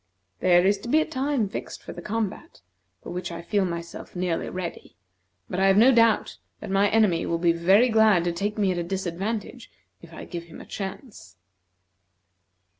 There is to be a time fixed for the combat, for which I feel myself nearly ready, but I have no doubt that my enemy will be very glad to take me at a disadvantage if I give him a chance."